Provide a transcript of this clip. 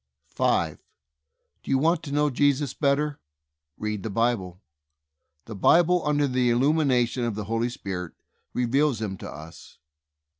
5. Do you want to know Jesus better? Read the Bible. The Bible, under the il lumination of the Holy Spirit, reveals Him to us.